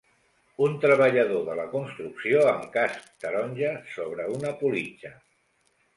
Un treballador de la construcció amb casc taronja sobre una politja.